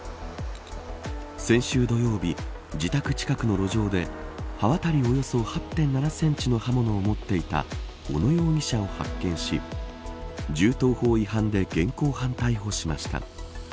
先週土曜日自宅近くの路上で刃渡りおよそ８．７センチの刃物を持っていた小野容疑者を発見し銃刀法違反で現行犯逮捕しました。